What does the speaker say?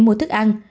mua thức ăn